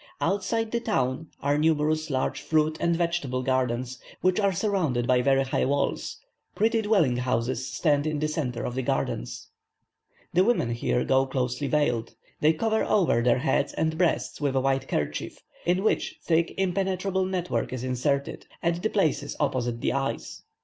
Outside the town are numerous large fruit and vegetable gardens, which are surrounded by very high walls; pretty dwelling houses stand in the centre of the gardens. The women here go closely veiled. They cover over their heads and breast with a white kerchief, in which thick impenetrable network is inserted, at the places opposite the eyes.